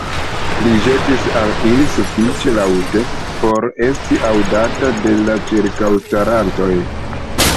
li ĵetis al ili sufiĉe laŭte, por esti aŭdata de la ĉirkaŭstarantoj.